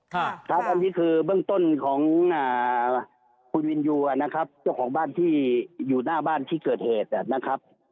ครับครับอันนี้คือเบื้องต้นของคุณวินยูนะครับเจ้าของบ้านที่อยู่หน้าบ้านที่เกิดเหตุนะครับ